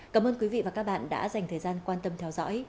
cảm ơn quý vị và các bạn đã dành thời gian quan tâm theo dõi